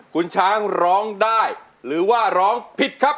คุณช้างร้องได้หรือว่าร้องผิดครับ